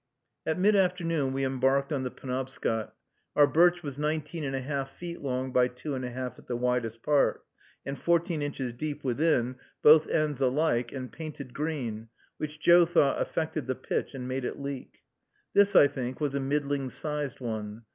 At mid afternoon we embarked on the Penobscot. Our birch was nineteen and a half feet long by two and a half at the widest part, and fourteen inches deep within, both ends alike, and painted green, which Joe thought affected the pitch and made it leak. This, I think, was a middling sized one.